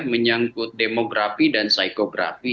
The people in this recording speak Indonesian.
menyangkut demografi dan psikografi